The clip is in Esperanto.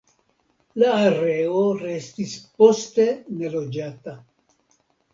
La areo restis poste neloĝata.